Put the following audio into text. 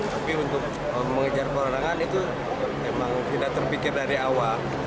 tapi untuk mengejar perorangan itu memang tidak terpikir dari awal